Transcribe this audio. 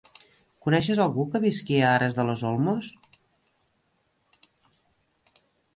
Coneixes algú que visqui a Aras de los Olmos?